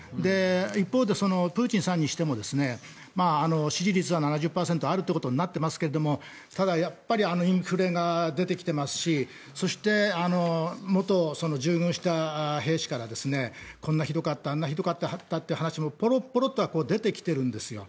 一方でプーチンさんにしても支持率は７０％あるということになっていますがただ、やっぱりインフレが出てきていますしそして、元従軍した兵士からこんなひどかったあんなひどかったという話もポロポロと出てきてるんですよ。